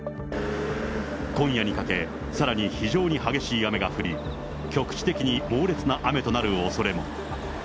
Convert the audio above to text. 今夜にかけ、さらに非常に激しい雨が降り、局地的に猛烈な雨となるおそれも。